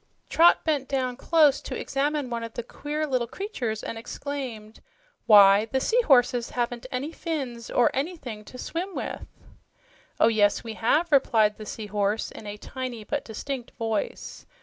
Trot bent down close to examine one of the queer little creatures and exclaimed, "Why, the seahorses haven't any fins or anything to swim with." "Oh yes we have," replied the Sea Horse in a tiny but distinct voice.